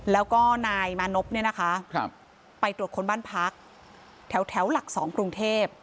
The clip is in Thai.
แล้วก็นายมานปไปตรวจคนบ้านพักแถวหลักสองกรุงเทพฯ